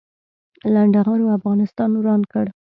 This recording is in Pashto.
لنډغرو افغانستان وران کړ